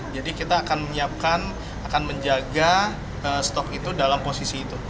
jadi kita akan menyiapkan akan menjaga stok itu dalam posisi itu